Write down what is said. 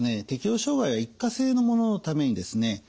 適応障害は一過性のもののためにですね